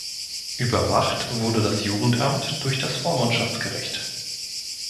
Überwacht wurde das Jugendamt durch das Vormundschaftsgericht.